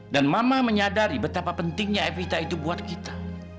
dan mama menyadari betapa pentingnya evita itu buat kita